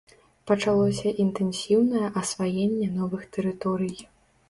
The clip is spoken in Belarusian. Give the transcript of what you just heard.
Пачалося інтэнсіўнае асваенне новых тэрыторый.